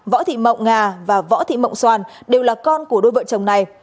võ thị mộng ngà và võ thị mộng xoàn đều là con của đôi vợ chồng này